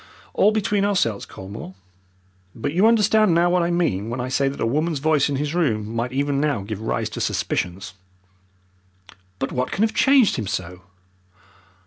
All between ourselves, Colmore. But you understand now what I mean when I say that a woman's voice in his room might even now give rise to suspicions." "But what can have changed him so?"